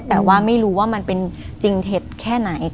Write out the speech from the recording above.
แต่ว่าไม่รู้ว่ามันเป็นจริงเท็จแค่ไหน